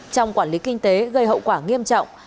trong quản lý kinh tế gây hậu quả nghiêm trọng